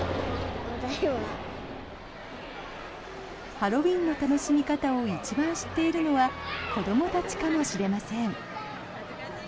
ハロウィーンの楽しみ方を一番知っているのは子どもたちかもしれません。